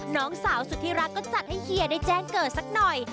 น้องสาวสุธิรักก็จัดให้เฮียได้แจ้งเกิดสักหน่อย